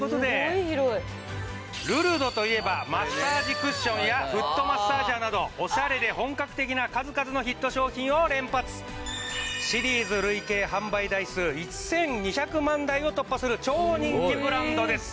「ルルドといえばマッサージクッションやフットマッサージャーなどオシャレで本格的な数々のヒット商品を連発」「シリーズ累計販売台数１２００万台を突破する超人気ブランドです」